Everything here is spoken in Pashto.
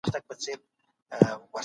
فزیک هم خپله خپلواکي واخیسته.